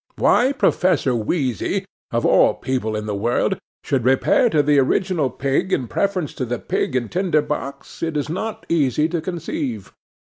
Why Professor Wheezy, of all people in the world, should repair to the Original Pig in preference to the Pig and Tinder box, it is not easy to conceive.